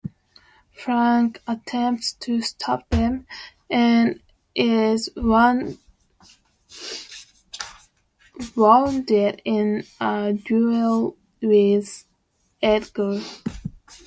Frank attempts to stop them, and is wounded in a duel with Edgar.